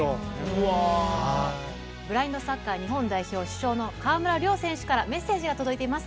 ブラインドサッカー日本代表主将の川村怜選手からメッセージが届いています。